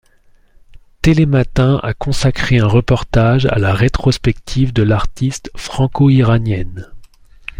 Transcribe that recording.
TeleMatin a consacré un reportage à la rétrospective de l'artiste franco-iranienne.